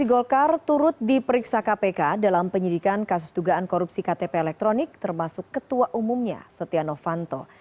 di golkar turut diperiksa kpk dalam penyidikan kasus dugaan korupsi ktp elektronik termasuk ketua umumnya setia novanto